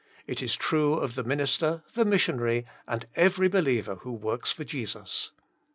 It is true of the minister, the missionary, and every be liever who works for Jesus.